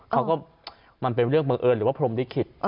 มันเป็นเรื่องบังเอิญหรือว่าพรมลิขิต